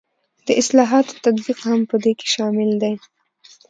د اصلاحاتو تطبیق هم په دې کې شامل دی.